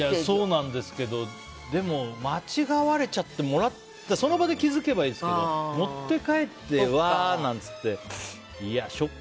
そうなんですけどでも、間違われちゃってもらってその場で気づけばいいけど持って帰って、ワーなんて言って。